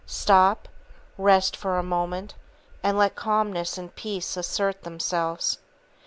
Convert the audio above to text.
Stop, rest for a moment, and let calmness and peace assert themselves.